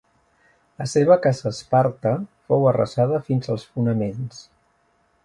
La seva casa a Esparta fou arrasada fins als fonaments.